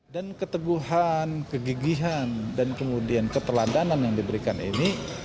dan keteguhan kegigihan dan kemudian keteladanan yang diberikan ini